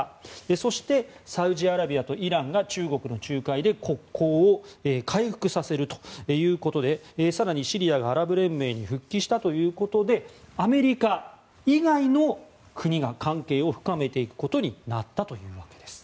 そしてサウジアラビアとイランが中国の仲介で国交を回復させるということで更にシリアがアラブ連盟に復帰したということでアメリカ以外の国が関係を深めていくことになったわけです。